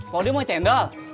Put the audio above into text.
pak odi mau cendol